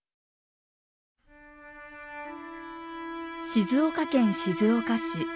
静岡県静岡市。